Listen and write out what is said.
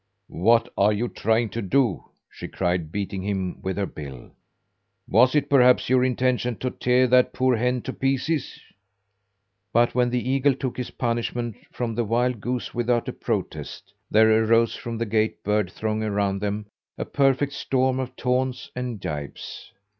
"What are you trying to do?" she cried, beating him with her bill. "Was it perhaps your intention to tear that poor hen to pieces?" But when the eagle took his punishment from the wild goose without a protest, there arose from the great bird throng around them a perfect storm of taunts and gibes.